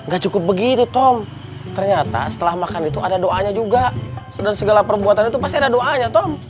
gak cukup begitu tom ternyata setelah makan itu ada doanya juga dan segala perbuatan itu pasti ada doanya tom